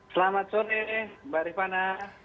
selamat sore mbak rifana